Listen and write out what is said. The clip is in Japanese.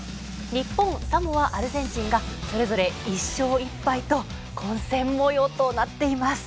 日本、サモア、アルゼンチンがそれぞれ１勝１敗と混戦もようとなっています。